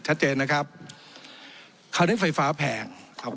ชัดเจนนะครับคราวนี้ไฟฟ้าแพงครับ